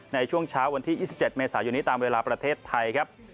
ในช่วงเช้าวันที่๒๗เมษายนนี้ตามเวลาประเทศไทยครับ